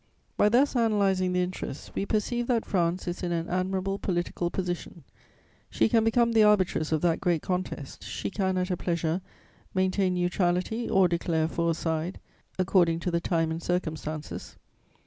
"By thus analyzing the interests, we perceive that France is in an admirable political position: she can become the arbitress of that great contest; she can, at her pleasure, maintain neutrality, or declare for a side, according to the time and circumstances.